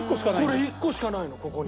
これ１個しかないのここに。